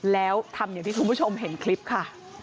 แล้วทำอย่างที่คุณผู้ชมเห็นคลิปค่ะ